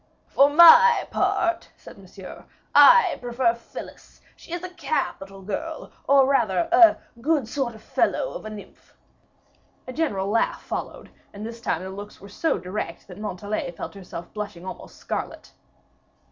"For my part," said Monsieur, "I prefer Phyllis; she is a capital girl, or rather a good sort of fellow of a nymph." A gentle laugh followed, and this time the looks were so direct, that Montalais felt herself blushing almost scarlet.